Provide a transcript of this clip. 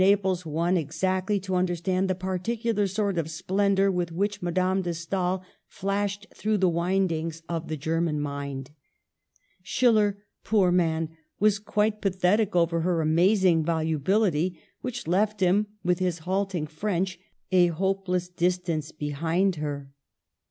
1 33 bles one exactly to understand the particular sort of splendor with which Madame de Stael flashed through the windings of the German mind. Schiller — poor man !— was quite pathetic over \ her amazing volubility, which left him, with his halting French, a hopeless distance behind her.